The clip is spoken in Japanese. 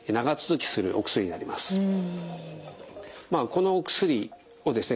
このお薬をですね